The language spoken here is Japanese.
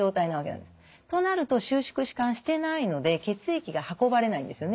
となると収縮弛緩してないので血液が運ばれないんですよね。